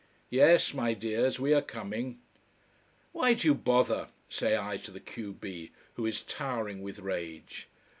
Yes, my dears, we are coming. "Why do you bother?" say I to the q b, who is towering with rage.